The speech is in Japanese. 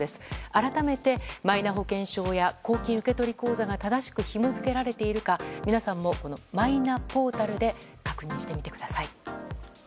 改めてマイナ保険証や公金受取口座が正しくひも付けられているか皆さんもマイナポータルで確認してみてください。